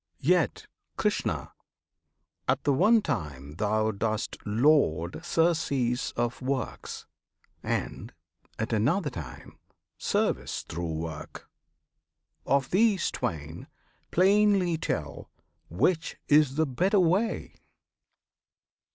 Yet, Krishna! at the one time thou dost laud Surcease of works, and, at another time, Service through work. Of these twain plainly tell Which is the better way?